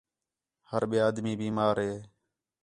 ہر ٻِیا آدمی بیمار ہِے